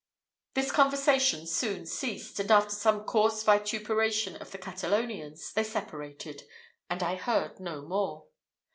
This conversation soon ceased, and after some coarse vituperation of the Catalonians, they separated, and I heard no more.